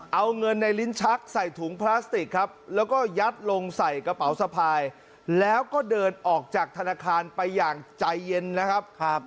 เอาเงินในลิ้นชักใส่ถุงพลาสติกครับแล้วก็ยัดลงใส่กระเป๋าสะพายแล้วก็เดินออกจากธนาคารไปอย่างใจเย็นนะครับ